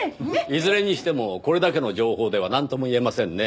いずれにしてもこれだけの情報ではなんとも言えませんねぇ。